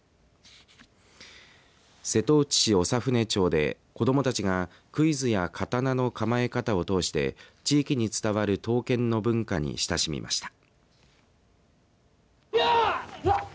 瀬戸内市長船町で子どもたちがクイズや刀の構え方を通して地域に伝わる刀剣の文化に親しみました。